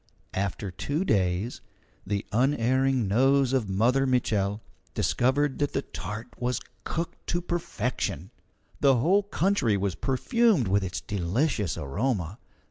After two days, the unerring nose of Mother Mitchel discovered that the tart was cooked to perfection. The whole country was perfumed with its delicious aroma.